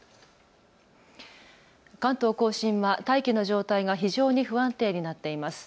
関東甲信は大気の状態が非常に不安定になっています。